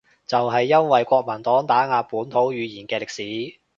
就係因為國民黨打壓本土語言嘅歷史